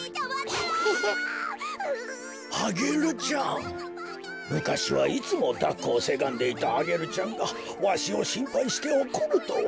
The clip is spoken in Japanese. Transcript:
こころのこえむかしはいつもだっこをせがんでいたアゲルちゃんがわしをしんぱいしておこるとは。